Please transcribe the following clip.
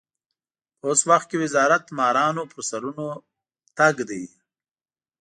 په اوس وخت کې وزارت مارانو پر سرونو تګ دی.